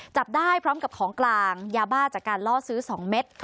จับได้พร้อมกับของกลางยาบ้าจากการล่อซื้อ๒เม็ด